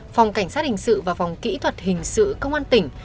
phòng cảnh sát hình sự và phòng kỹ thuật hình sự công an tỉnh